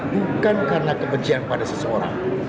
bukan karena kebencian pada seseorang